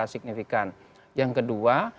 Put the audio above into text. signifikan yang kedua